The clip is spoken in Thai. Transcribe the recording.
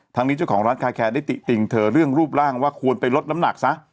นี้เจ้าของร้านคาแคร์ได้ติติงเธอเรื่องรูปร่างว่าควรไปลดน้ำหนักซะ